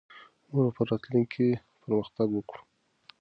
موږ به په راتلونکي کې پرمختګ وکړو.